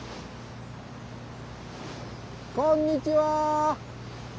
こんにちは！